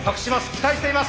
期待しています。